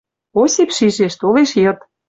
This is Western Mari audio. Осип шижеш — толеш йыд.